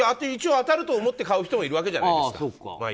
一応当たると思って買う人もいるわけじゃないですか。